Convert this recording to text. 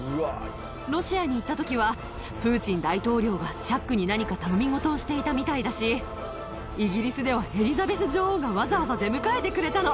ロシアに行ったときは、プーチン大統領がチャックに何か、頼み事をしていたみたいだし、イギリスではエリザベス女王がわざわざ出迎えてくれたの。